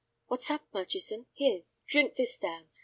"What's up, Murchison? Here, drink this down.